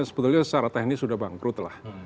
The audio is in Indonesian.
sebetulnya secara teknis sudah bangkrut lah